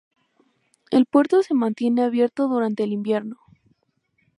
El puerto se mantiene abierto durante el invierno.